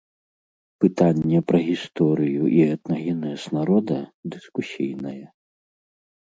Пытанне пра гісторыю і этнагенез народа дыскусійнае.